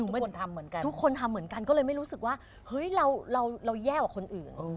ทุกคนทำเหมือนกันทุกคนทำเหมือนกันก็เลยไม่รู้สึกว่าเฮ้ยเราแย่กว่าคนอื่น